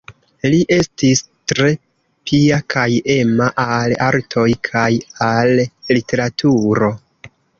Li estis tre pia kaj ema al artoj kaj al literaturo.